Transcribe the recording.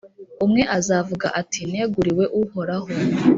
umwe azavuga ati «neguriwe uhoraho»,